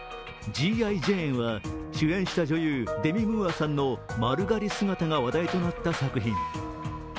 「Ｇ．Ｉ．ジェーン」は主演した女優、デミ・ムーアさんの丸刈り姿が話題となった作品。